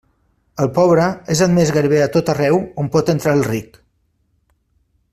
El pobre és admès gairebé a tot arreu on pot entrar el ric.